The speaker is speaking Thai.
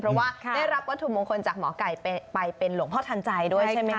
เพราะว่าได้รับวัตถุมงคลจากหมอไก่ไปเป็นหลวงพ่อทันใจด้วยใช่ไหมค